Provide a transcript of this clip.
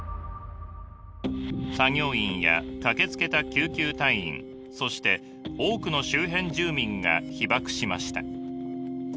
作業員や駆けつけた救急隊員そして多くの周辺住民が被ばくしました。